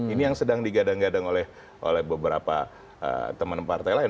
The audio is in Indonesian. ini yang sedang digadang gadang oleh beberapa teman partai lain